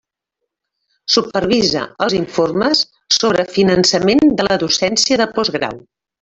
Supervisa els informes sobre finançament de la docència de postgrau.